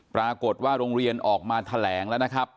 ปรากฏว่าโรงเรียนออกมาแถลงแล้วนะครับ